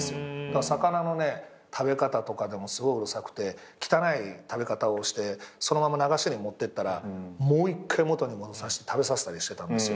魚のね食べ方とかでもすごいうるさくて汚い食べ方をしてそのまま流しに持ってったらもう一回元に戻させて食べさせたりしてたんですよ。